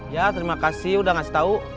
ya terima kasih udah ngasih tau